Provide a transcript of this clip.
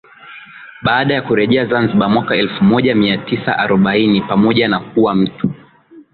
Baada ya kurejea Zanzibar mwaka elfu moja mia tisa arobaini pamoja na kuwa mtu